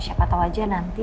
siapa tau aja nanti